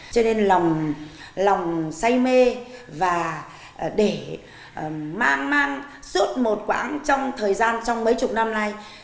cho nên lòng say mê và để mang mang suốt một quãng trong thời gian trong mấy chục năm nay